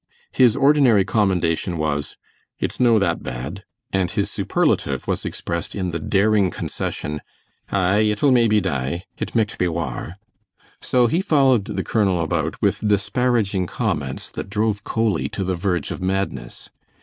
His ordinary commendation was, "It's no that bad"; and his superlative was expressed in the daring concession, "Aye, it'll maybe dae, it micht be waur." So he followed the colonel about with disparaging comments that drove Coley to the verge of madness.